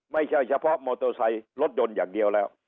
ไม่ใช่เฉพาะมอเตอร์ไซค์รถยนต์อย่างเดียวแล้ว